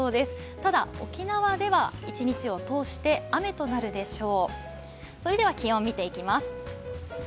ただ、沖縄では一日を通して雨となるでしょう。